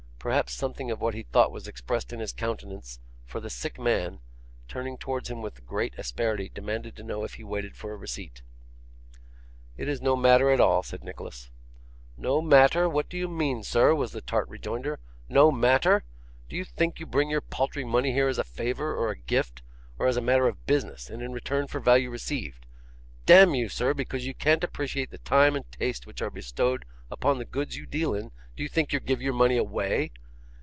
Perhaps something of what he thought was expressed in his countenance, for the sick man, turning towards him with great asperity, demanded to know if he waited for a receipt. 'It is no matter at all,' said Nicholas. 'No matter! what do you mean, sir?' was the tart rejoinder. 'No matter! Do you think you bring your paltry money here as a favour or a gift; or as a matter of business, and in return for value received? D n you, sir, because you can't appreciate the time and taste which are bestowed upon the goods you deal in, do you think you give your money away?